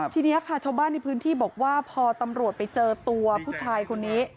ทีนี้ค่ะชาวบ้านในพื้นที่บอกว่าพอตำรวจไปเจอตัวผู้ชายคนนี้